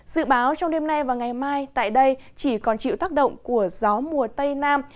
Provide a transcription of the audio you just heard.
dự báo trong đêm nay và ngày mai tại đây chỉ còn chịu tác động của gió mùa tây nam